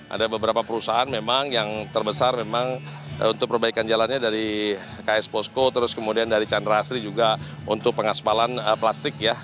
ada beberapa perusahaan memang yang terbesar memang untuk perbaikan jalannya dari ks posko terus kemudian dari chandra asri juga untuk pengaspalan plastik ya